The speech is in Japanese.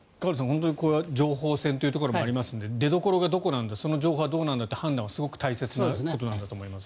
本当にこれは情報戦というところもありますので出どころがどこなんだその情報はどうなんだと大切な判断だと思います。